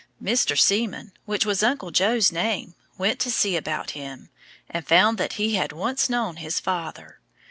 Mr. Seaman, which was Uncle Joe's name, went to see about him, and found that he had once known his father.